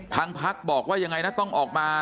ทางพักบอกว่ายังไงนะต้องออกมา